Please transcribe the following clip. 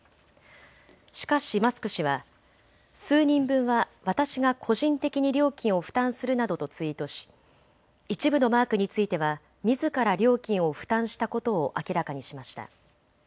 しかしマスク氏は数人分は私が個人的に料金を負担するなどとツイートし一部のマークについてはみずから料金を負担したことを明らかにしました。